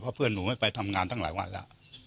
เพราะเพื่อนหนูไม่ไปทำงานตั้งหลายวันแล้ว